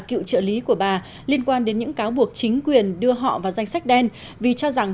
cựu trợ lý của bà liên quan đến những cáo buộc chính quyền đưa họ vào danh sách đen vì cho rằng